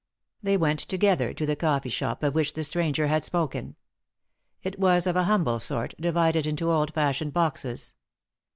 They went together to the coffee shop of which the stranger had spoken. It was of a humble sort, divided into old fashioned boxes.